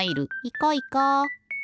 いこいこ。